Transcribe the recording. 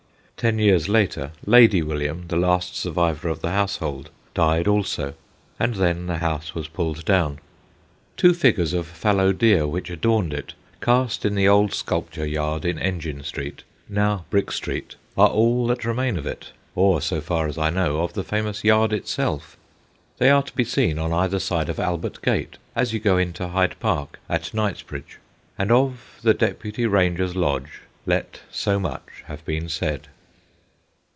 Ten years later, Lady William, the last survivor of the household, died also, and then the house was pulled down. Two SIR FRANCIS BURDETT 245 figures of fallow deer which adorned it, cast in the old sculpture yard in Engine Street (now Brick Street), are all that remain of it, or, so far as I know, of the famous yard itself. They are to be seen on either side of Albert Gate, as you go into Hyde Park at Knightsbridge. And of the Deputy Ranger's Lodge let so much have been said.